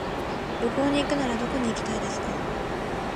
旅行に行くならどこに行きたいですか。